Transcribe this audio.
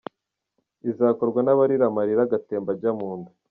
Iza korwa n’abarira amarira agatemba ajya munda.